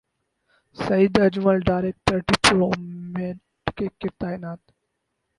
سعید Ajmal director development cricket تعینات